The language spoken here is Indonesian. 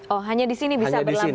oh hanya di sini bisa berlaku